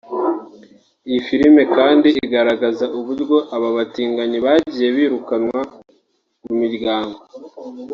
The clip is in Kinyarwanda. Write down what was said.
Iyi filime kandi igaragaza uburyo aba batinganyi bagiye birukanwa mu miryango